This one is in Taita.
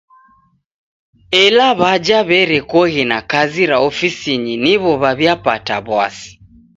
Ela w'aja w'erekoghe na kazi ra ofisinyi niwo w'aw'iapata w'asi.